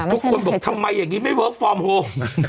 ทุกคนบอกทำไมอย่างนี้ไม่เวิร์คฟอร์มโฮม